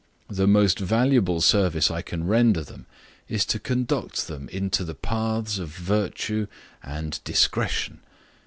The most valuable service I can render them is to conduct them into the paths of virtue and discretion.